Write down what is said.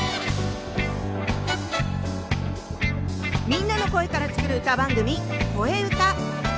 みんなの声から作る歌番組「こえうた」。